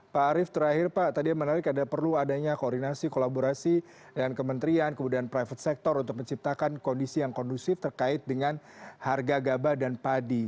pak arief terakhir pak tadi yang menarik ada perlu adanya koordinasi kolaborasi dengan kementerian kemudian private sector untuk menciptakan kondisi yang kondusif terkait dengan harga gabah dan padi